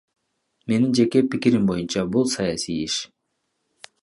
Менин жеке пикирим боюнча, бул саясий иш.